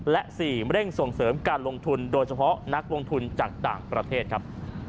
และ๔เร่งส่งเสริมการลงทุนโดยเฉพาะนักลงทุนจากต่างประเทศครับ